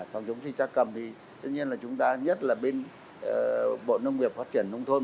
phòng chống dịch ra cầm thì tất nhiên là chúng ta nhất là bên bộ nông nghiệp phát triển nông thôn